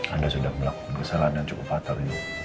anda sudah melakukan kesalahan yang cukup atau